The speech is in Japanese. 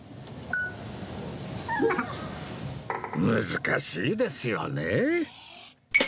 難しいですよね